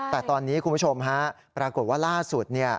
แต่ตอนนี้คุณผู้ชมฮะปรากฏว่าล่าสุด